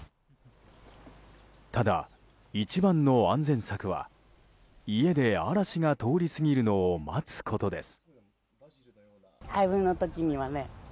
ただ、一番の安全策は家で嵐が通り過ぎるのを待つことです。